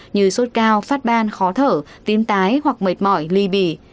như sốt cao phát ban khó thở tím tái hoặc mệt mỏi ly bì